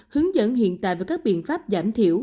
hướng dẫn hiện tại và các biện pháp giảm thiểu